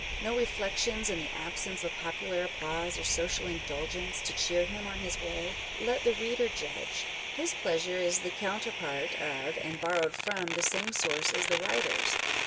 No reflections, in the absence of popular applause or social indulgence, to cheer him on his way ? Let the reader judge. His pleasure is the counterpart of, and borrowed from the same source as the writer's.